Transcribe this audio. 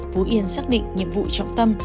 phú yên xác định nhiệm vụ trọng tâm